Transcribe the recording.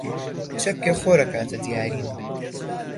چەپکێ خۆر ئەکاتە دیاریم!